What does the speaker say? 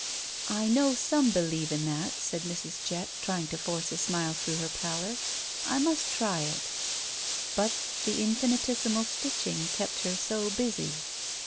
'' "I know some beUeve in that," said Mrs. Jett, trjdng to force a smile through her pallor. I must try it." But the infinitesimal stitching kept her so busy.